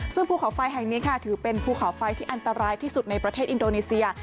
ซึ่งภูเขาไฟแห่งนี้ค่ะถือเป็นภูเขาไฟที่อันตรายที่สุดในประเทศอินโดนีเซีย